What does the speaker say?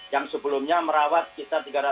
yang sebelumnya merawat kita tiga ratus